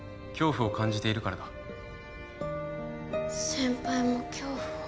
先輩も恐怖を。